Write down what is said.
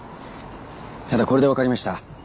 ただこれでわかりました。